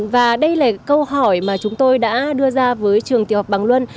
và đây là câu hỏi mà chúng tôi đã đưa ra với trường tiểu học bằng luân